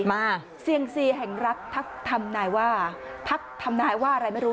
มาเสี่ยงเซียแห่งรัฐทักทำนายว่าทักทำนายว่าอะไรไม่รู้